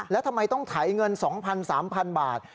แล้วทำไมต้องไถเงิน๒๐๐๓๐๐บาท